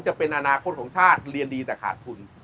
จะเป็นอนาคตของชาติเรียนดีแต่ขาดทุน